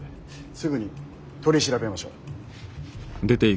すぐに取り調べましょう。